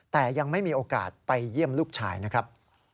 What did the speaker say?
แต่ยังไม่มีโอกาสไปเยี่ยมลูกชายนะครับ